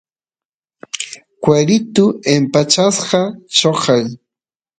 cueritu empachopa choqay